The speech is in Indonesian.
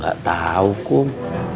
gak tau kum